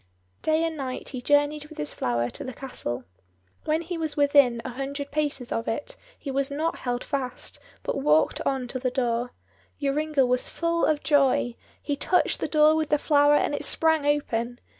Day and night he journeyed with this flower to the castle. When he was within a hundred paces of it he was not held fast, but walked on to the door. Joringel was full of joy; he touched the door with the flower, and it sprang open.